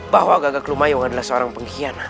bahwa gagak lumayung adalah seorang pengkhian